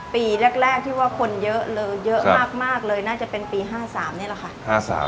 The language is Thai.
ปีแรกที่ว่าคนเยอะเลยเยอะมากเลยน่าจะเป็นปี๕๓นี่แหละค่ะ